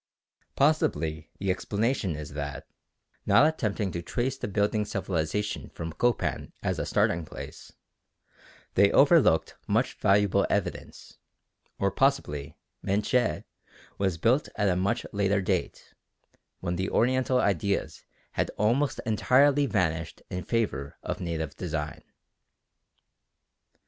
Possibly the explanation is that, not attempting to trace the building civilisation from Copan as a starting place, they overlooked much valuable evidence; or possibly Menché was built at a much later date when the Oriental ideas had almost entirely vanished in favour of native design.